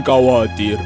jangan khawatir bebe